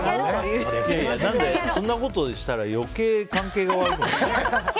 そんなことしたら余計、関係が悪くなる。